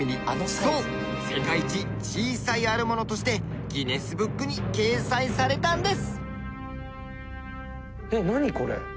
そう世界一小さいあるものとしてギネスブックに掲載されたんです。